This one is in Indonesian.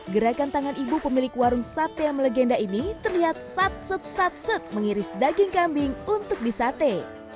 gerakan tangan ibu pemilik warung sate yang melegenda ini terlihat satset satset mengiris daging kambing untuk disate